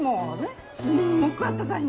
すっごくあったかいの。